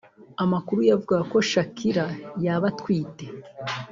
Amakuru yavugaga ko Shakira yaba atwite